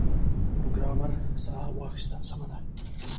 پروګرامر ساه واخیسته سمه ده